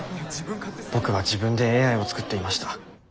僕は自分でＡＩを作っていました。